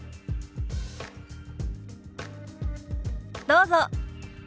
どうぞ。